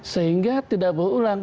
sehingga tidak berulang